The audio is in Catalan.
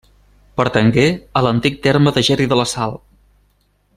Pertangué a l'antic terme de Gerri de la Sal.